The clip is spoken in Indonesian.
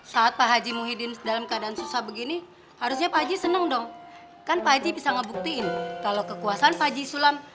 saat pak haji muhyiddin dalam keadaan susah begini harusnya pak haji senang dong kan pak haji bisa ngebuktiin kalau kekuasaan panji sulam